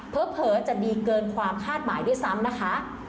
เผลอจะดีเกินความคาดหมายด้วยซ้ำนะคะ